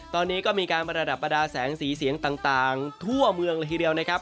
ตอนนี้ก็มีการประดับประดาษแสงสีเสียงต่างทั่วเมืองเลยทีเดียวนะครับ